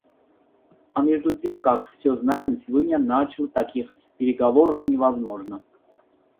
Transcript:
А между тем, как все знаем, сегодня начало таких переговоров невозможно.